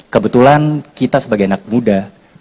kebetulan kita sebagai anak muda